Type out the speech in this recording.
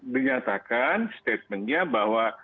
dinyatakan statementnya bahwa